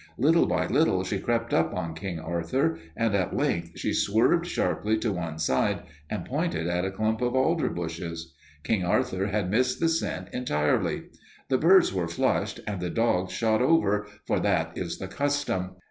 Little by little she crept up on King Arthur, and at length she swerved sharply to one side and pointed at a clump of alder bushes. King Arthur had missed the scent entirely. The birds were flushed and the dogs shot over, for that is the custom.